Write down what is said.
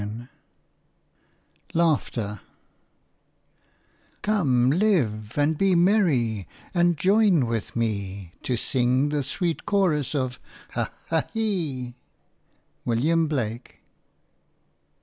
– LAUGHTER "Come live, and be merry, and join with me, To sing the sweet chorus of 'Ha, ha, he!'" WILLIAM BLAKE.